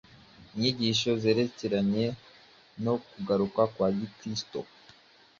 Inyigisho zerekeranye no kugaruka kwa Kristo